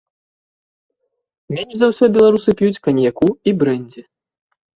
Менш за ўсё беларусы п'юць каньяку і брэндзі.